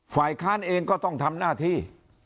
ฝ่ายค้านเองก็ต้องทำหน้าที่